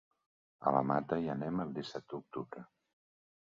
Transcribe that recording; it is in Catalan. A la Mata hi anem el disset d'octubre.